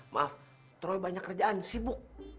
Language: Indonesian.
maaf terlalu banyak kerjaan sibuk